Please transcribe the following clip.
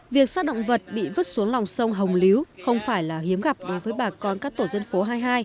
việc sắc động vật bị vứt xuống lòng sông hồng liếu không phải là hiếm gặp đối với bà con các tổ dân phố hai mươi hai hai mươi bốn hai mươi năm hai mươi sáu